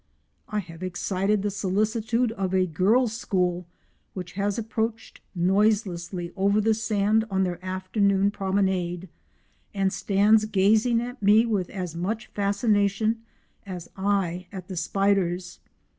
I have excited the solicitude of a girls' school which has approached noiselessly over the sand on their afternoon promenade, and stands gazing at me with as much fascination as I at the spiders.